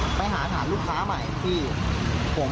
มันก็เลยกลายเป็นว่าเหมือนกับยกพวกมาตีกัน